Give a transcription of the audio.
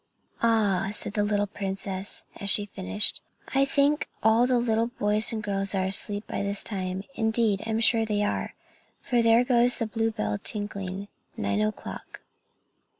_" "Ah!" said the little princess as she finished; "I think all the little boys and girls are asleep by this time. Indeed, I'm sure they are, for there goes the blue bell tinkling 'Nine o'clock!'